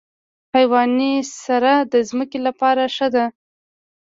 حیواني سره د ځمکې لپاره ښه ده.